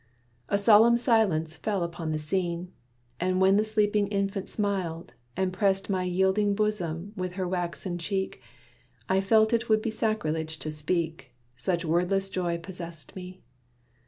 A solemn silence fell upon the scene. And when the sleeping infant smiled, and pressed My yielding bosom with her waxen cheek, I felt it would be sacrilege to speak, Such wordless joy possessed me.